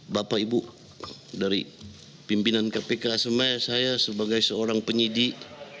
bapak ibu dari pimpinan kpk sebenarnya saya sebagai seorang penyidik